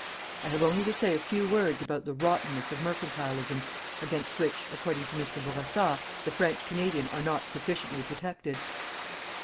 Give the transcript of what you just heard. I have only to say a few words about the "ROTTENNESS OF MERCANTILISM" against which, according to Mr. Bourassa, the French Canadian are not sufficiently protected.